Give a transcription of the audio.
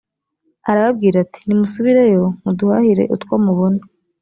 arababwira ati nimusubireyo muduhahire utwo mubona